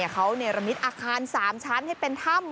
เขาระมิดอาคารสามชั้นให้เป็นถ้ำ